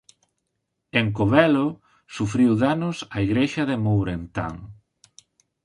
En Covelo sufriu danos a igrexa de Mourentán.